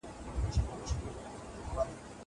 هغه څوک چي خواړه ورکوي مرسته کوي.